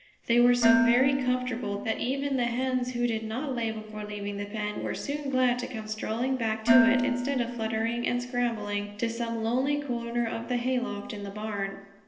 They were so very comfortable that even the Hens who did not lay before leaving the pen were soon glad to come strolling back to it, instead of fluttering and scrambling to some lonely corner of the hayloft in the barn.